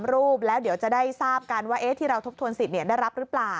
รูปแล้วเดี๋ยวจะได้ทราบกันว่าที่เราทบทวนสิทธิ์ได้รับหรือเปล่า